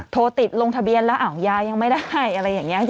โทรติดลงทะเบียนแล้วยายังไม่ได้อะไรอย่างนี้